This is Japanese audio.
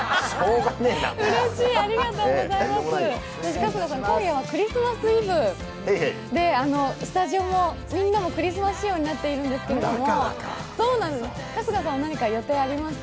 春日さん、今夜はクリスマスイブでスタジオもみんなもクリスマス仕様になっているんですけど春日さんは何か予定ありますか？